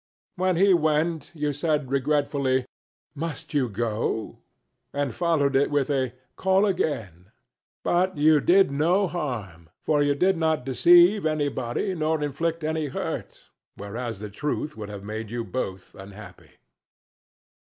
When he went, you said regretfully, "Must you go?" and followed it with a "Call again;" but you did no harm, for you did not deceive anybody nor inflict any hurt, whereas the truth would have made you both unhappy.